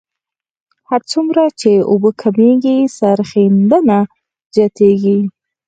هر څومره چې اوبه کمیږي سریښېدنه زیاتیږي